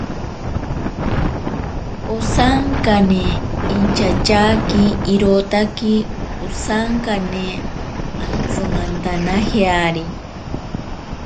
Osankane inchatyaaki irotaki osankane antsimantanajeari.